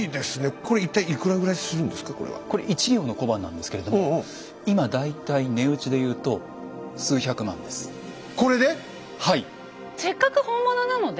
これ１両の小判なんですけれども今大体値打ちで言うとこれで？